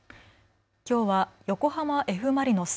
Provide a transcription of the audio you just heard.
きょうは横浜Ｆ・マリノス。